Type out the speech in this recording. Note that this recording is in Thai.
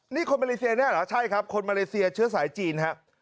นี่คนมาเลเซียแน่เหรอใช่ครับคนมาเลเซียเชื้อสายจีนฮะ